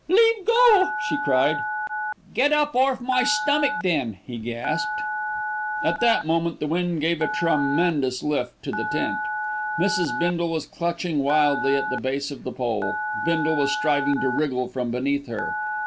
"Leave go," she cried. "Get up orf my stomach then," he gasped. At that moment, the wind gave a tremendous lift to the tent. Mrs. Bindle was clutching wildly at the base of the pole, Bindle was striving to wriggle from beneath her.